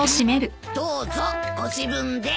どうぞご自分で。